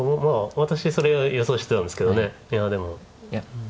私それ予想してたんですけどいやでも。